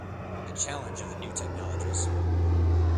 The Challenge of the New Technologies.